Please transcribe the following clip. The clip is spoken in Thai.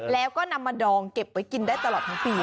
แล้วก็นำมาดองเก็บไว้กินได้ตลอดทั้งปี